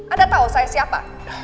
anda tahu saya siapa